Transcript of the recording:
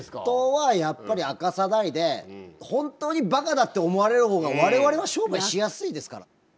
本当はやっぱり明かさないで本当にばかだって思われる方が我々は商売しやすいですから。